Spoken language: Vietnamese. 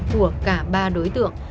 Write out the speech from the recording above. của cả ba đối tượng